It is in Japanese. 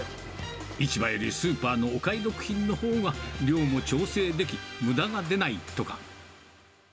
市場よりスーパーのお買い得品のほうが量も調整でき、むだが出ないとか。